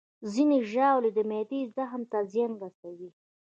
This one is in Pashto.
ځینې ژاولې د معدې زخم ته زیان رسوي.